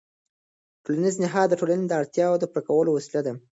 ټولنیز نهاد د ټولنې د اړتیاوو د پوره کولو وسیله ده.